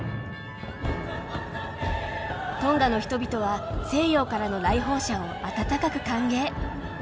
トンガの人々は西洋からの来訪者を温かく歓迎。